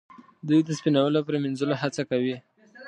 دوی د سپینولو او پریمینځلو هڅه کوي.